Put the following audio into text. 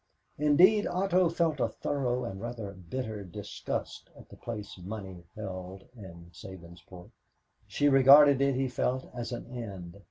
Indeed, Otto felt a thorough and rather bitter disgust at the place money held in Sabinsport. She regarded it, he felt, as an end.